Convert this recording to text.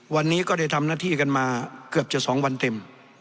วันนี้ก็ได้ทำหน้าที่กันมาเกือบจะ๒วันเต็ม